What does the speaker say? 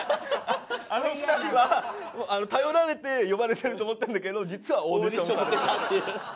あの２人は頼られて呼ばれてると思ってるんだけど実はオーディション。